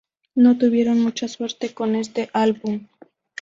No tuvieron mucha suerte con este álbum.